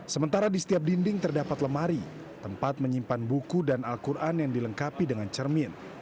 sementara di setiap dinding terdapat lemari tempat menyimpan buku dan al quran yang dilengkapi dengan cermin